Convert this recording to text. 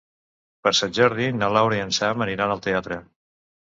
Per Sant Jordi na Laura i en Sam aniran al teatre.